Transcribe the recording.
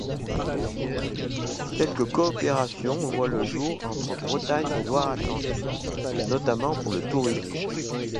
Quelques coopérations voient le jour entre Bretagne et Loire-Atlantique, notamment pour le tourisme.